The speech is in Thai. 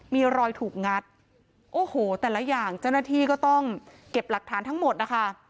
มีรอยถูกงัดโอ้โหแต่ละอย่างเจ้าหน้าที่ก็ต้องเก็บหลักฐานทั้งหมดนะคะ